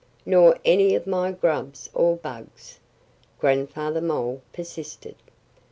"Nor any of my grubs or bugs?" Grandfather Mole persisted.